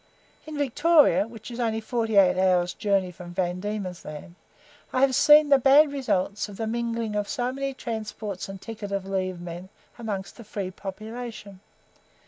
In Victoria (which is only forty eight hours' journey from Van Diemen's Land), I have seen the bad results of the mingling of so many transports and ticket of leave men among the free population.